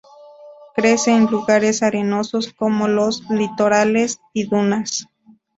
Crece en lugares arenosos como los litorales y dunas.